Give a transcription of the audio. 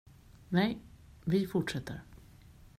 Nej, vi fortsätter.